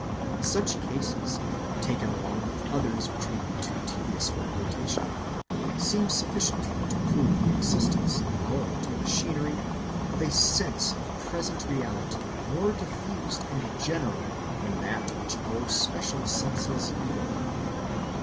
Such cases, taken along with others which would be too tedious for quotation, seem sufficiently to prove the existence in our mental machinery of a sense of present reality more diffused and general than that which our special senses yield.